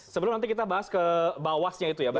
sebelum nanti kita bahas ke bawahnya itu ya